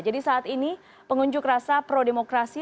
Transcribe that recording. jadi saat ini pengunjuk rasa pro demokrasi